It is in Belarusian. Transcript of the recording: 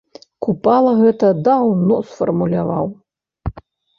Купала гэта даўно сфармуляваў.